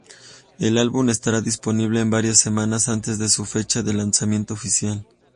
El álbum estará disponible en varias semanas antes de su fecha de lanzamiento oficial.